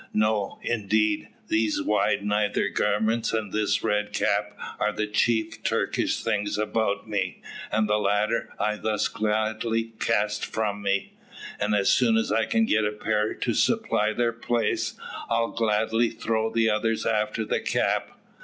"No, indeed; these wide nether garments and this red cap are the chief Turkish things about me, and the latter I thus gladly cast from me, and as soon as I can get a pair to supply their place, I'll gladly throw the others after the cap."